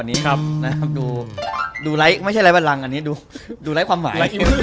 อันนี้ดูไร้ไม่ใช่ไร้บันลังอันนี้ดูไร้ความหมาย